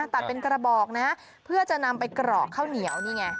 ตัดเป็นกระบอกนะเพื่อจะนำไปกรอกข้าวเหนียวนี่ไง